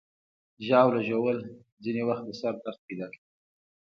ژاوله ژوول ځینې وخت د سر درد پیدا کوي.